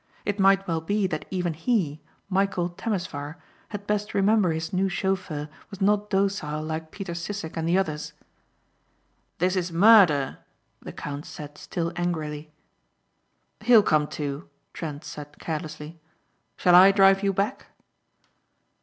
It might well be that even he, Michæl Temesvar had best remember his new chauffeur was not docile like Peter Sissek and the others. "This is murder!" the count said still angrily. "He'll come to," Trent said carelessly. "Shall I drive you back?"